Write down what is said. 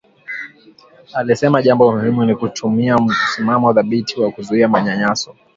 Alisema jambo muhimu ni kuchukua msimamo thabiti na kuzuia manyanyaso